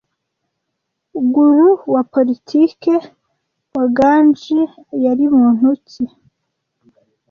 Guru wa politiki wa Gandhiji yari muntu ki